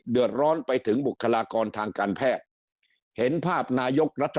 เดือดร้อนไปถึงบุคลากรทางการแพทย์เห็นภาพนายกรัฐ